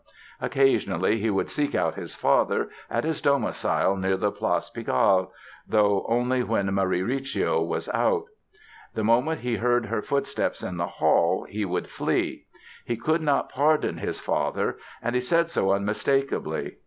Occasionally he would seek out his father at his domicile near the Place Pigalle—though only when Marie Recio was out! The moment he heard her footsteps in the hall he would flee. He could not pardon his father and he said so unmistakably.